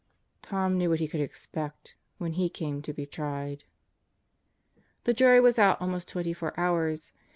Tom knew what he could expect when he came to be tried. The jury was out almost twenty four hours.